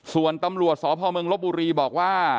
ส่วนตำรวจสพรบูรีบอกว่า